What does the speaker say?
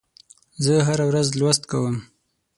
زه هره ورځ لوست کوم.